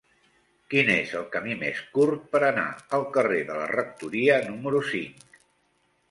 Quin és el camí més curt per anar al carrer de la Rectoria número cinc?